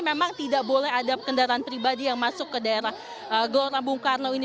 memang tidak boleh ada kendaraan pribadi yang masuk ke daerah gelora bung karno ini